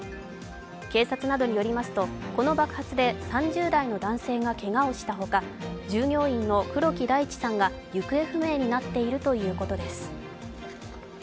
警察などによりますと、この爆発で３０代の男性がけがをしたほか従業員の黒木大地さんが行方不明になっているということです。